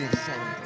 terima kasih banyak